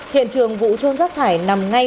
hiện trường vụ trôn sát thải nằm ngay